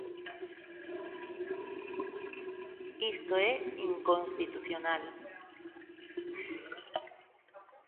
Isto é inconstitucional.